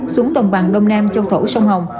xuống đồng bằng đông nam châu thổ sông hồng